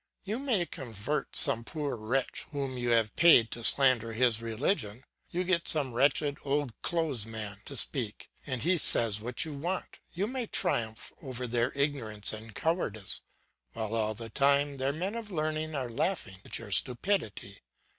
You may convert some poor wretch whom you have paid to slander his religion; you get some wretched old clothes man to speak, and he says what you want; you may triumph over their ignorance and cowardice, while all the time their men of learning are laughing at your stupidity.